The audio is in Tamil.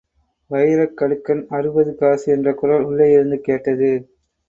வைரக் கடுக்கன் அறுபது காசு! என்ற குரல் உள்ளேயிருந்து கேட்டது.